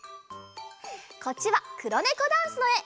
こっちは「黒ネコダンス」のえ！